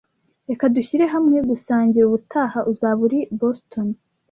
Reka dushyire hamwe gusangira ubutaha uzaba uri i Boston.